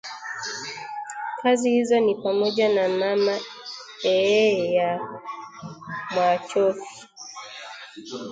Kazi hizo ni pamoja na Mama Ee ya Mwachofi